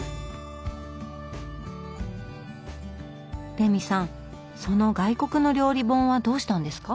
レミさんその外国の料理本はどうしたんですか？